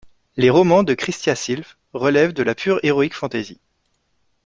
Les romans de Christia Sylf relèvent de la pure heroic fantasy.